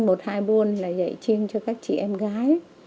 một hai buôn là dạy chiêng cho các chị em gái